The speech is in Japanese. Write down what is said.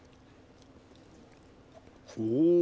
おお！